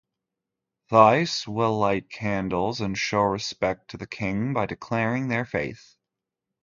Thais will light candles and show respect to the king by declaring their faith.